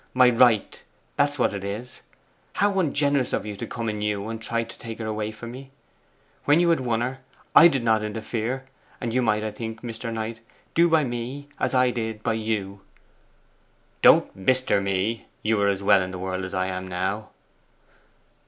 My right, that's what it is! How ungenerous of you to come anew and try to take her away from me! When you had won her, I did not interfere; and you might, I think, Mr. Knight, do by me as I did by you!' 'Don't "Mr." me; you are as well in the world as I am now.